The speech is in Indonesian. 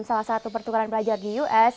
salah satu pertukaran pelajar di us